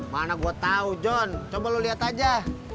mana gue tahu john coba lo lihat aja